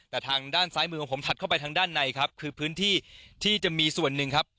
แต่ทางด้านซ้ายมือของผมถัดเข้าไปทางด้านในครับคือพื้นที่ที่จะมีส่วนหนึ่งครับ